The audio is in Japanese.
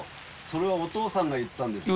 それはお父さんが言ったんですか？